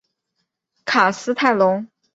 卡斯泰龙。